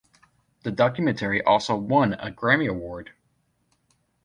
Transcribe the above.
The documentary also won a Grammy Award.